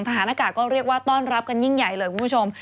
ทหารอากาศก็เรียกว่าต้อนรับกันยิ่งใหญ่เลยคุณผู้ชม